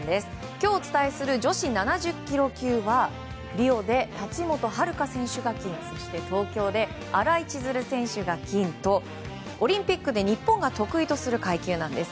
今日お伝えする女子７０ｋｇ級はリオで田知本遥選手が金で東京で新井千鶴選手が金とオリンピックで日本が得意とする階級なんです。